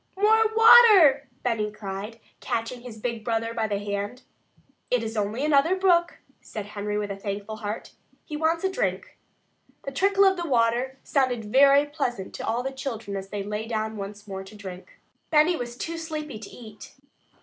"More water!" Benny cried, catching his big brother by the hand. "It is only another brook," said Henry with a thankful heart. "He wants a drink." The trickle of water sounded very pleasant to all the children as they lay down once more to drink. Benny was too sleepy to eat.